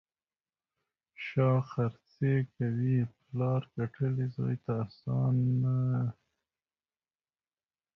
شا خرڅي کوي: پلار ګټلي، زوی ته اسانه.